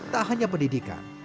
tak hanya pendidikan